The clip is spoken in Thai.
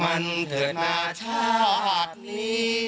มันเถิดนาชาตินี้